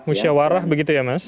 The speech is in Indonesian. musyawarah begitu ya mas